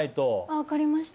分かりました。